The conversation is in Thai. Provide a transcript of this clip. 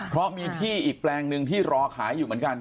เพราะมีที่อีกแปลงหนึ่งที่รอขายอยู่เหมือนกัน